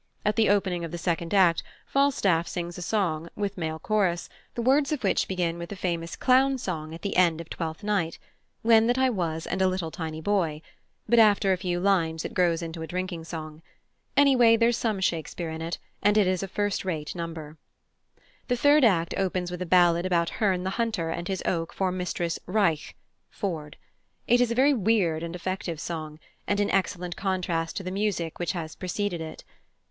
At the opening of the second act, Falstaff sings a song, with male chorus, the words of which begin with the famous Clown's song at the end of Twelfth Night, "When that I was and a little tiny boy"; but after a few lines it grows into a drinking song. Anyway, there's some Shakespeare in it, and it is a first rate number. The third act opens with a ballad about Herne the Hunter and his oak for Mistress "Reich" (Ford). It is a very weird and effective song, and in excellent contrast to the music which has preceded it.